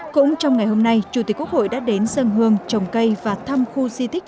cũng trong ngày hôm nay chủ tịch quốc hội đã đến sân hương trồng cây và thăm khu di tích